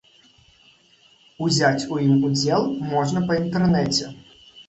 Узяць у ім удзел можна па інтэрнэце.